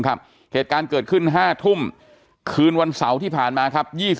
เหตุการณ์เกิดขึ้น๕ทุ่มคืนวันเสาร์ที่ผ่านมาครับ